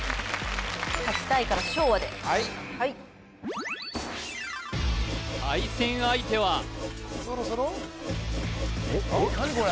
勝ちたいから昭和ではいはい対戦相手は何これ？